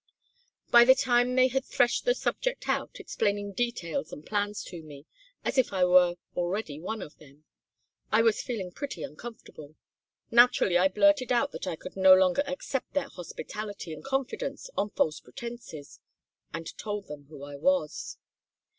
"By the time they had threshed the subject out, explaining details and plans to me, as if I were already one of them, I was feeling pretty uncomfortable. Naturally, I blurted out that I could no longer accept their hospitality and confidence on false pretences, and told them who I was.